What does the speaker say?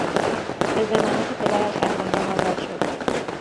به ضمانت پدرش از زندان آزاد شد.